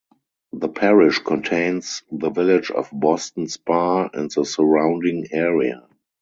The parish contains the village of Boston Spa and the surrounding area.